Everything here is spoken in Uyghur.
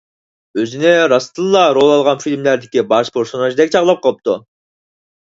ئۆزىنى راستتىنلا رول ئالغان فىلىملاردىكى باش پېرسوناژدەك چاغلاپ قاپتۇ.